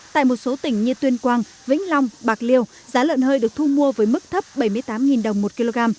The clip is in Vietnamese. tại một số tỉnh như tuyên quang vĩnh long bạc liêu giá lợn hơi được thu mua với mức thấp bảy mươi tám đồng một kg